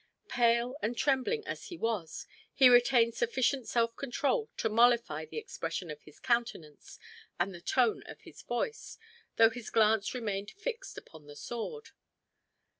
Pale and trembling as he was, he retained sufficient self control to modify the expression of his countenance and the tone of his voice, though his glance remained fixed upon the sword.